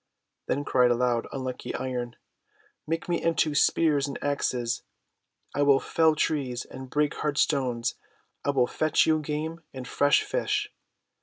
Then cried aloud unlucky Iron :— :'Make me into spears and axes. I will fell trees and break hard stones. I will fetch you game and fresh fish.